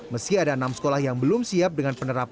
meski ada enam sekolah yang belum siap dengan penerapan